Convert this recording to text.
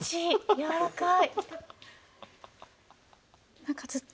やわらかい！